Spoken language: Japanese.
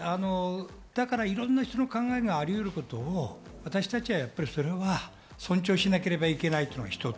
いろんな人の考えがあることを私たちは尊重しなければいけないっていうのが一つ。